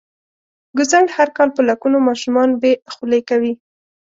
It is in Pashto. ګوزڼ هر کال په لکونو ماشومان بې خولې کوي.